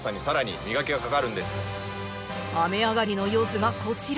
雨上がりの様子がこちら。